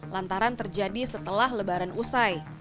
lantaran terjadi setelah lebaran usai